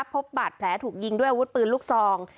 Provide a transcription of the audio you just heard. พบบัตรแผลถูกยิงด้วยวุฒิปืนลูกซอง